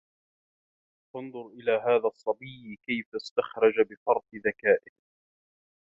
فَانْظُرْ إلَى هَذَا الصَّبِيِّ كَيْفَ اسْتَخْرَجَ بِفَرْطِ ذَكَائِهِ